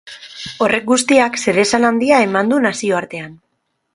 Horrek guztiak zeresan handia eman du nazioartean.